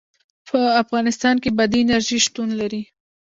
په افغانستان کې بادي انرژي شتون لري.